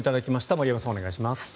森山さん、お願いします。